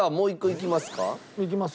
いきますか！